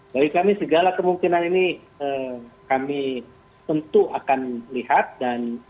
bagi kami segala kemungkinan ini kami tentu akan lihat dan